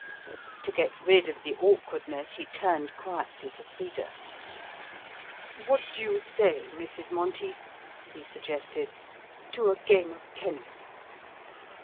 To get rid of the awkwardness he turned quietly to Frida. "What do you say, Mrs. Monteith," he suggested, "to a game of tennis?"